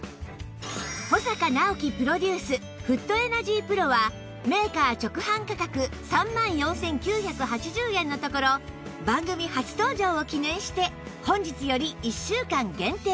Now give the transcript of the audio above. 保阪尚希プロデュースフットエナジープロはメーカー直販価格３万４９８０円のところ番組初登場を記念して本日より１週間限定